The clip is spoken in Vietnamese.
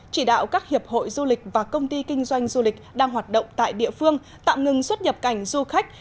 chỉ đạo các hiệp hội du lịch và công ty kinh doanh du lịch đang hoạt động tại địa phương tạm ngừng xuất nhập cảnh du khách